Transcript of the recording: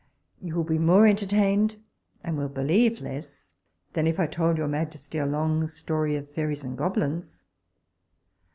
you will be more entertained, and will believe less, than if I told your majesty a long story of fairies and goblins.